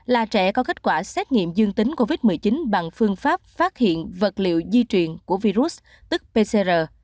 là trẻ có kết quả xét nghiệm dương tính covid một mươi chín bằng phương pháp phát hiện vật liệu di chuyển của virus tức pcr